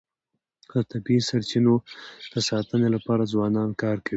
د طبیعي سرچینو د ساتنې لپاره ځوانان کار کوي.